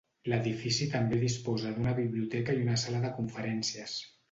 L'edifici també disposa d'una biblioteca i una sala de conferències.